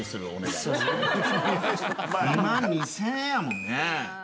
２万２０００円やもんね。